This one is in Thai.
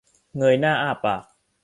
เงยหน้าอ้าปาก